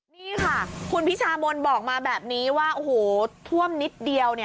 นี่ค่ะคุณพิชามนบอกมาแบบนี้ว่าโอ้โหท่วมนิดเดียว